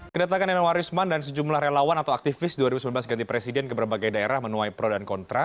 kedatangan nenowarisman dan sejumlah relawan atau aktivis dua ribu sembilan belas ganti presiden ke berbagai daerah menuai pro dan kontra